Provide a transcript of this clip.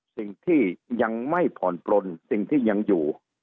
สิ่งที่ยังไม่ผ่อนปลนสิ่งที่ยังอยู่